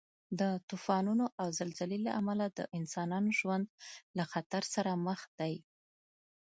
د طوفانو او زلزلې له امله د انسانانو ژوند له خطر سره مخ دی.